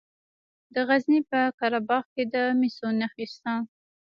د غزني په قره باغ کې د مسو نښې شته.